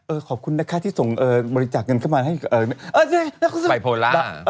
เออขอบคุณนะคะที่ส่งบริจักษ์เงินเข้ามาให้ไปโพล่า